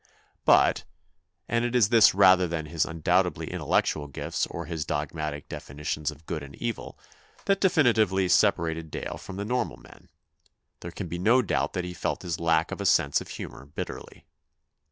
But and it is this rather than his un doubted intellectual gifts or his dogmatic definitions of good and evil that definitely separated Dale from the normal men there can be no doubt that he felt his lack of a sense of humour bitterly.